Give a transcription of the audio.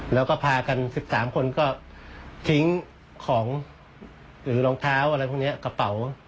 แล้วก็พากัน๑๓คนก็ทิ้งของหรือรองเท้าอะไรพวกนี้กระเป๋า